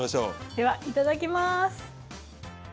ではいただきます。